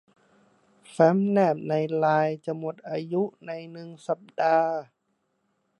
แฟ้มแนบในไลน์จะหมดอายุในหนึ่งสัปดาห์